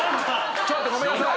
ちょっとごめんなさい。